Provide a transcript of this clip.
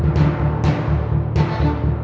ร้องได้ครับ